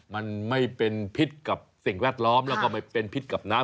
มันไม่เป็นพิษกับสิ่งแวดล้อมแล้วก็ไม่เป็นพิษกับน้ำ